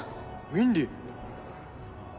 ウィンリィ